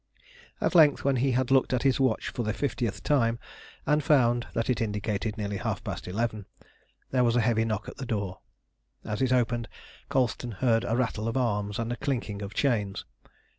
At length, when he had looked at his watch for the fiftieth time, and found that it indicated nearly half past eleven, there was a heavy knock at the door. As it opened, Colston heard a rattle of arms and a clinking of chains.